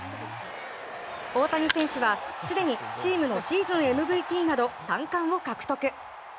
大谷選手は、すでにチームのシーズンＭＶＰなど３冠を獲得。